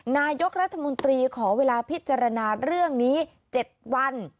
นายกรัฐมนตรีขอเวลาพิจารณาเรื่องนี้๗วัน